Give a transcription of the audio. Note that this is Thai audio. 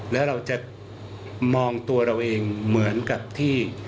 แล้วเราจะมองตัวเราเองเหมือนกับที่